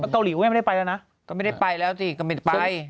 เกาหลีก็ไม่ได้ไปแล้วนะก็ไม่ได้ไปแล้วสิก็ไม่ได้ไป